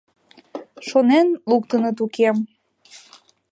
Шонен луктыныт укем!